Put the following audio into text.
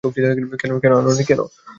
কেন, আনোনি কেন?